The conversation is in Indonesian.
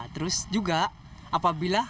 terus juga apabila